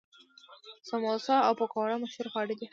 سموسه او پکوړه مشهور خواړه دي.